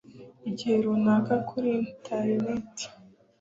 igihe runaka kuri interineti